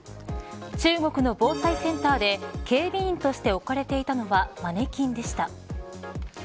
中国の防災センターで警備員として置かれていたのはマネキンでした。